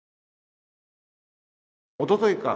おとといか。